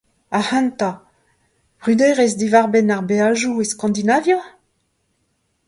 Ac’hanta, bruderezh diwar-benn ar beajoù e Skandinavia ?